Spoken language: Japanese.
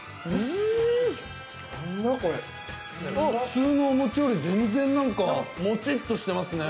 普通のお餅より全然なんか、もちっとしてますね。